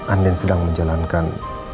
andin sedang menjalankan